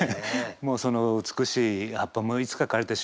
もうその美しい葉っぱもいつか枯れてしまうんじゃないか。